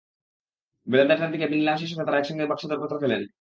বেলা দেড়টার দিকে নিলাম শেষ হলে তাঁরা একসঙ্গে বাক্সে দরপত্র ফেলেন।